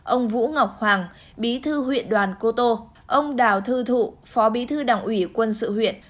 ông vũ ngọc hoàng bí thư huyện đoàn cô tô ông đào thư thụ phó bí thư đảng ủy quân sự huyện